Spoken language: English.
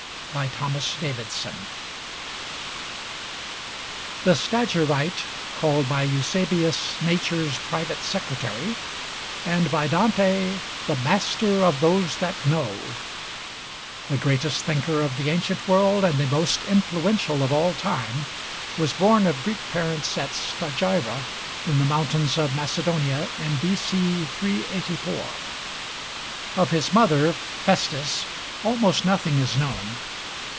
384 322) BY THOMAS DAVIDSON The "Stagirite," called by Eusebius "Nature's private secretary," and by Dante "the master of those that know," the greatest thinker of the ancient world, and the most influential of all time, was born of Greek parents at Stagira, in the mountains of Macedonia, in B.C. 384. Of his mother, Phæstis, almost nothing is known.